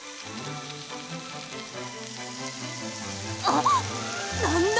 あっ何だ？